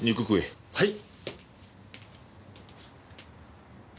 はい？